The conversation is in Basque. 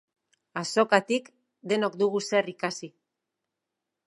Azokatik denok dugu zer ikasi.